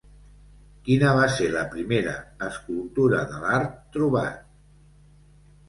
Quina va ser la primera escultura de l'art trobat?